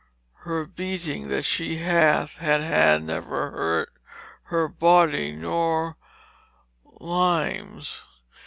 Her beatinge that she hath had hath never hurt her body nor limes.